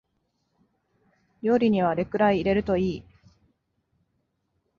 料理にはあれくらい入れるといい